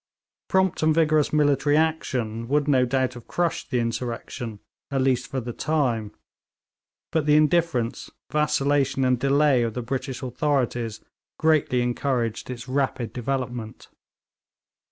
Prompt and vigorous military action would no doubt have crushed the insurrection, at least for the time. But the indifference, vacillation and delay of the British authorities greatly encouraged its rapid development.